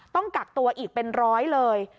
ต้องกักตัวอีกเป็นร้อยเลย